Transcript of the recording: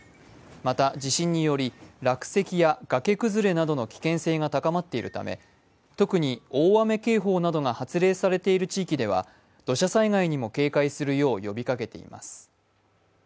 また地震により落石や崖崩れなどの危険性が高まっているため特に大雨警報が発令されている地域では土砂災害にも警戒するよう呼びかけています。